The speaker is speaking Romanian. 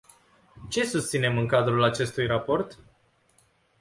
Ce susținem în cadrul acestui raport?